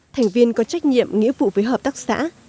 thành viên có trách nhiệm nghĩa vụ với hợp tác xã